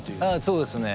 そうですね。